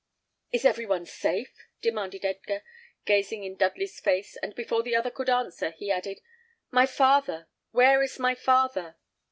"Is every one safe?" demanded Edgar, gazing in Dudley's face; and before the other could answer, he added, "My father! Where is my father?"